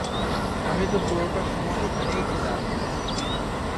আমি তো পুরোটা সময় এখানেই ছিলাম।